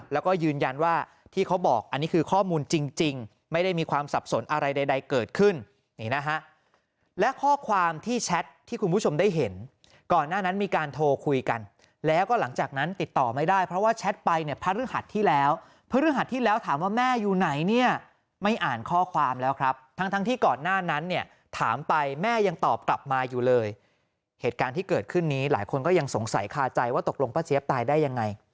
แล้วก็ยืนยันว่าที่เขาบอกอันนี้คือข้อมูลจริงไม่ได้มีความสับสนอะไรใดเกิดขึ้นนี่นะฮะและข้อความที่แชทที่คุณผู้ชมได้เห็นก่อนหน้านั้นมีการโทรคุยกันแล้วก็หลังจากนั้นติดต่อไม่ได้เพราะว่าแชทไปเนี่ยพระฤหัสที่แล้วพระฤหัสที่แล้วถามว่าแม่อยู่ไหนเนี่ยไม่อ่านข้อความแล้วครับทั้งที่ก่อนหน